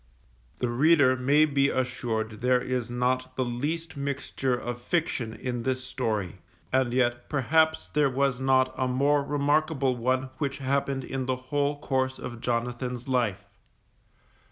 The reader may be assured there is not the least mixture of fiction in this story, and yet perhaps there was not a more remarkable one which happened in the whole course of Jonathan's life.